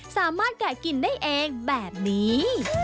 สามารถแกะกินได้เองแบบนี้